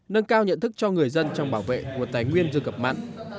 nâng cao nhận thức cho người dân trong bảo vệ nguồn tài nguyên rừng ngập mặn